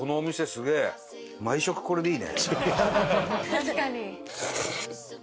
確かに。